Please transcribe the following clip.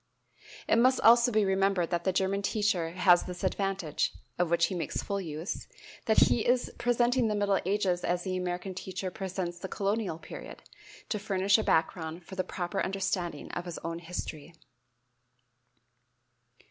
It must also be remembered that the German teacher has this advantage of which he makes full use that he is presenting the middle ages as the American teacher presents the colonial period, to furnish a background for the proper understanding of his own history.